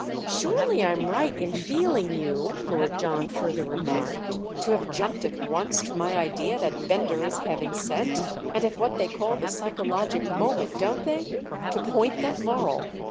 Surely I'm right in feeling you," Lord John further remarked, "to have jumped at once to my idea that Bender is heaven sent—and at what they call the psychologic moment, don't they?—to point that moral.